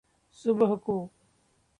सुबह को